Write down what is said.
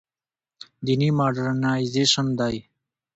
دیني مډرنیزېشن دی.